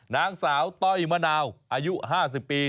นางสาวต้อยมะนาวอายุ๕๐ปี